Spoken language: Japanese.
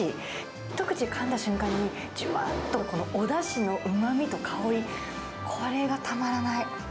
一口かんだ瞬間に、じゅわーっと、このおだしのうまみと香り、これがたまらない。